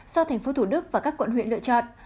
do thành phố thủ đức và các quận huyện lựa chọn